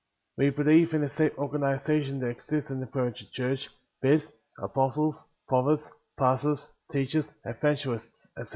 6. We believe in the same organization that existed in the Primitive Church, viz: apostles, prophets, pastors, teachers, evangelists, etc.